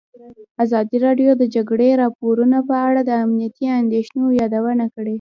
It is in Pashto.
ازادي راډیو د د جګړې راپورونه په اړه د امنیتي اندېښنو یادونه کړې.